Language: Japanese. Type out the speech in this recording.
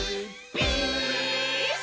ピース！」